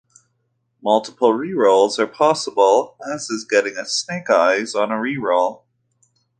Multiple rerolls are possible, as is getting a snake eyes on a reroll.